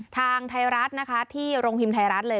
ทางไทยรัฐนะคะที่โรงพิมพ์ไทยรัฐเลย